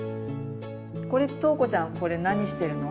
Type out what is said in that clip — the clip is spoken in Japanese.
これとうこちゃんこれ何してるの？